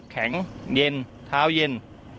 แข็งเย็นเท้าเย็น